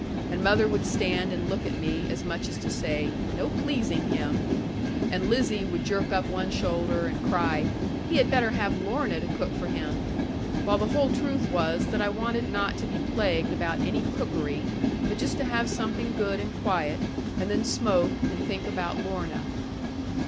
And mother would stand and look at me, as much as to say, 'No pleasing him'; and Lizzie would jerk up one shoulder, and cry, 'He had better have Lorna to cook for him'; while the whole truth was that I wanted not to be plagued about any cookery; but just to have something good and quiet, and then smoke and think about Lorna.